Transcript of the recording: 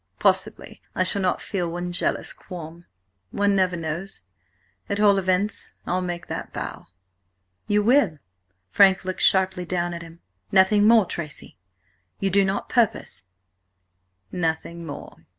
Possibly, I shall not feel one jealous qualm. One never knows. At all events–I'll make that bow." "You will?" Frank looked sharply down at him. "Nothing more, Tracy! You do not purpose—" "Nothing more.